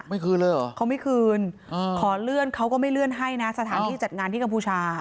คืนเลยเหรอเขาไม่คืนขอเลื่อนเขาก็ไม่เลื่อนให้นะสถานที่จัดงานที่กัมพูชา